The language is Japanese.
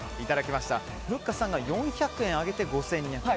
ふっかさんが４００円上げて５２００円。